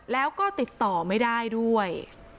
แล้วก็ติดต่อไม่ได้ด้วย